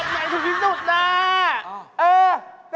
อันนี้แบบไหนถูกที่สุดน่ะ